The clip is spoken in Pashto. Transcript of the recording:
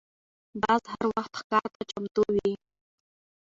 باز هر وخت ښکار ته چمتو وي